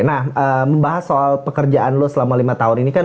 nah membahas soal pekerjaan lo selama lima tahun ini kan